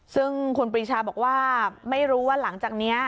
ซึ่งคุณปรีชาบอกว่าไม่รู้ว่าหลังจากนี้